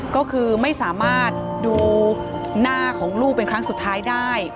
ก็คือไม่สามารถดูหน้าของลูกเป็นครั้งสุดท้ายได้